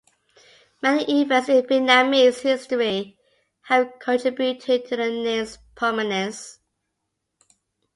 Many events in Vietnamese history have contributed to the name's prominence.